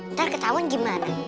ntar ketahuan gimana